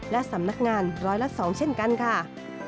และสำนักงานร้อยละ๒เช่นกันค่ะ